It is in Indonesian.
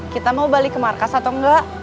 kita mau balik ke markas atau enggak